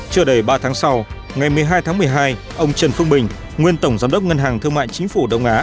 chưa đầy ba tháng sau ngày một mươi hai tháng một mươi hai ông trần phương bình nguyên tổng giám đốc ngân hàng thương mại chính phủ đông á